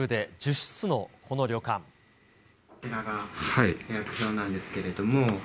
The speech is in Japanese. こちらが予約表なんですけれども。